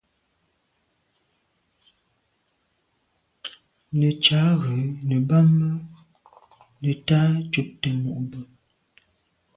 Nə̀ cǎ ú rə̀ bɑ́mə́ nə̀tâ ncûptə̂ mû’ bə̀.